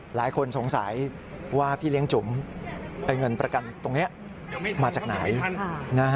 หลายคนสงสัยว่าพี่เลี้ยงจุ๋มเงินประกันตรงนี้มาจากไหน